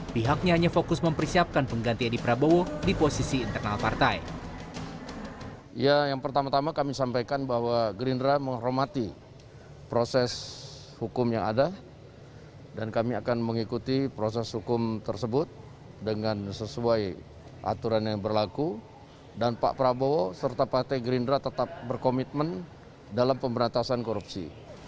pihaknya hanya fokus mempersiapkan pengganti edi prabowo di posisi internal partai